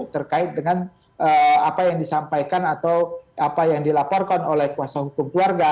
terkait dengan apa yang disampaikan atau apa yang dilaporkan oleh kuasa hukum keluarga